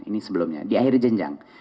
ini sebelumnya di akhir jenjang